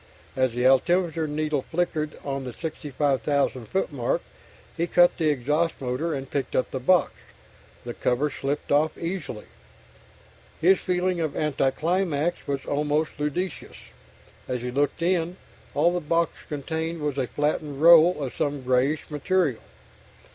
As the altimeter needle flickered on the 65,000 foot mark, he cut the exhaust motor and picked up the box. The cover slipped off easily. His feeling of anticlimax was almost ludicrous. As he looked in, all the box contained was a flattened roll of some greyish material.